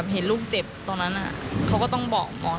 เห็นลูกเจ็บตอนนั้นเขาก็ต้องบอกหมอ